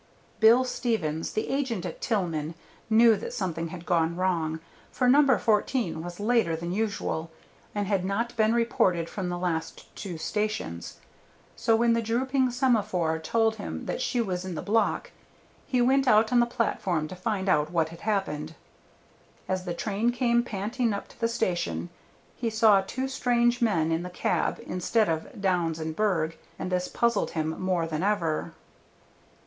Bill Stevens, the agent at Tillman, knew that something had gone wrong, for No. 14 was later than usual, and had not been reported from the last two stations; so when the drooping semaphore told him that she was in the block, he went out on the platform to find out what had happened. As the train came panting up to the station he saw two strange men in the cab instead of Downs and Berg, and this puzzled him more than ever.